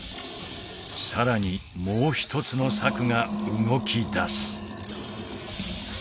さらにもう一つの策が動きだす